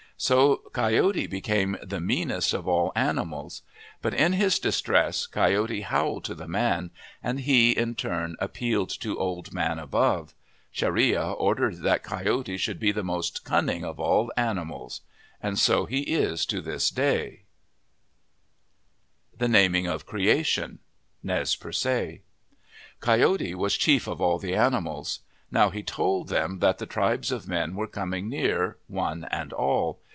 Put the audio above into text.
So Coyote became the meanest of all animals. But in his distress, Coyote howled to the man, and he, in turn, appealed to Old Man Above. Chareya ordered that Coyote should be the most cunning of all animals. And so he is to this day. 85 MYTHS AND LEGENDS THE NAMING OF CREATION Nez Perce COYOTE was chief of all the animals. Now, he told them that the tribes of men were coming near, one and all.